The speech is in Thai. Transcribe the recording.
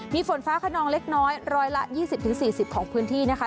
มีฝนฟ้าขนองเล็กน้อย๑๒๐๔๐ของพื้นที่นะคะ